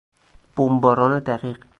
بمباران دقیق